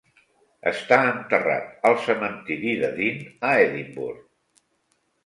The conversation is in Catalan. Està enterrat al cementiri de Dean a Edimburg.